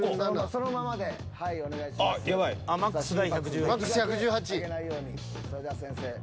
それでは先生。